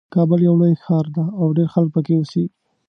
کابل یو لوی ښار ده او ډېر خلک پکې اوسیږي